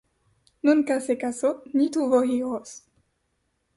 Nunca se casó, ni tuvo hijos.